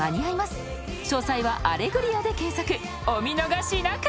［お見逃しなく］